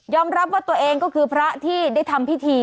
รับว่าตัวเองก็คือพระที่ได้ทำพิธี